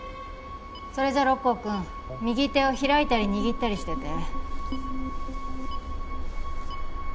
それじゃあ六甲君右手を開いたり握ったりしてて。